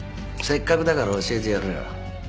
せっかくだから教えてやるよ。